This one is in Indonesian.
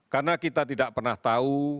karena kita tidak pernah tahu